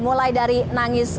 mulai dari nangis